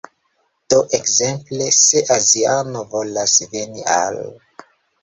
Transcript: Do ekzemple, se aziano volas veni al